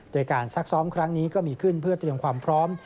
โดยการซักซ้อมครั้งนี้ก็มีขึ้นเพื่อเตรียมความพร้อม